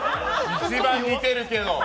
一番似てるけど！